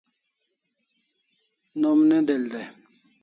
Nom ne del dai